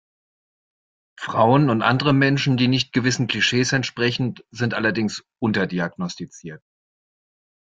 Frauen und andere Menschen, die nicht gewissen Klischees entsprechen, sind allerdings unterdiagnostiziert.